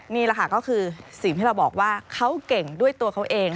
นี่แหละค่ะก็คือสิ่งที่เราบอกว่าเขาเก่งด้วยตัวเขาเอง